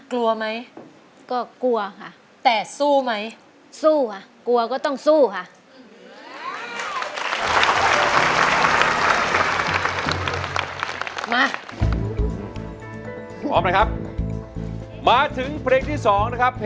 สวัสดีครับ